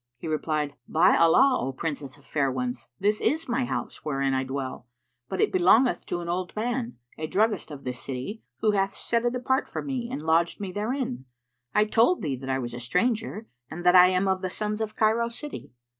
He replied, "By Allah, O Princess of fair ones, this is my house wherein I dwell; but it belongeth to an old man, a druggist of this city, who hath set it apart for me and lodged me therein. I told thee that I was a stranger and that I am of the sons of Cairo city."